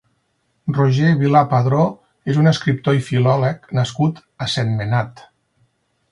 Roger Vilà Padró és un escriptor i filòleg nascut a Sentmenat.